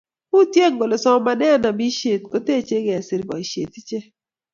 Uutye kole somanetab nopishet koteche kesiir boishet ichee